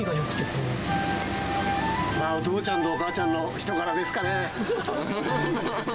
お父ちゃんとお母ちゃんの人柄ですかね。